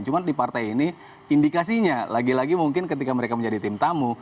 cuma di partai ini indikasinya lagi lagi mungkin ketika mereka menjadi tim tamu